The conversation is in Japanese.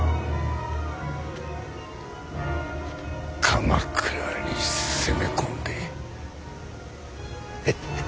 鎌倉に攻め込んでフフ。